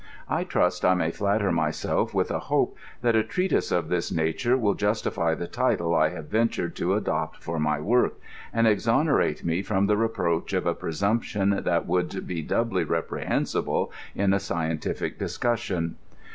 I trust I may flatter myself with a hope that a treatise of this nature will justify the title I have ventured to adopt for my work, and exonerate me from the reproach of a presumption that would be doubly reprehensible in a scientific discussion.